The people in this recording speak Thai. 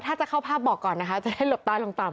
ถ้าจะเข้าภาพบอกก่อนนะคะจะได้หลบใต้ลงต่ำ